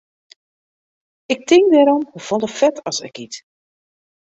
Ik tink derom hoefolle fet as ik yt.